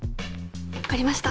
分かりました。